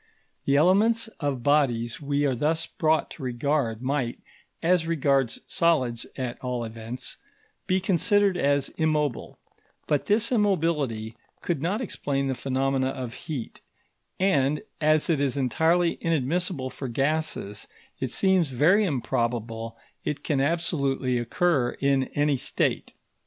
The elements of bodies we are thus brought to regard might, as regards solids at all events, be considered as immobile; but this immobility could not explain the phenomena of heat, and, as it is entirely inadmissible for gases, it seems very improbable it can absolutely occur in any state.